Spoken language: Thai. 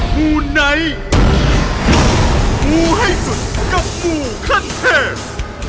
มูไนท์มูให้สุดกับมูขั้นเทพ